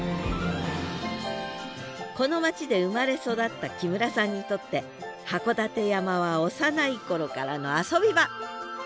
この町で生まれ育った木村さんにとって函館山は幼い頃からの遊び場。